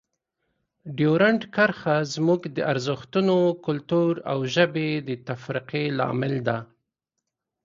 ډیورنډ کرښه زموږ د ارزښتونو، کلتور او ژبې د تفرقې لامل ده.